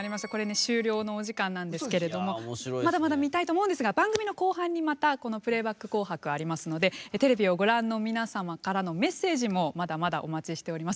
終了のお時間なんですけどまだまだ見たいと思いますが番組の後半にまたプレーバック「紅白」はありますのでテレビをご覧の皆様からのメッセージもまだまだお待ちしております。